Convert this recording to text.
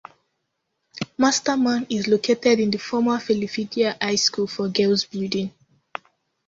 Masterman is located in the former Philadelphia High School for Girls building.